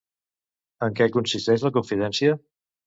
En què consisteix la confidència?